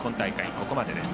ここまでです。